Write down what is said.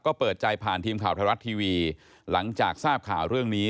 ก็เปิดใจผ่านทีมข่าวไทยรัฐทีวีหลังจากทราบข่าวเรื่องนี้